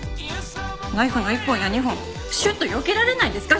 ナイフの１本や２本シュッとよけられないんですか